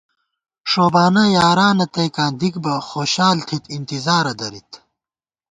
ݭوبانہ یارانہ تئیکاں دِک بہ خوشال تھِت، انتظارہ دَرِت